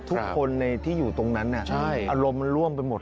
ทุกคนที่อยู่ตรงนั้นอารมณ์มันร่วมไปหมด